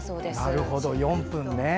なるほど、４分。